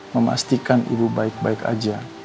memastikan ibu baik baik aja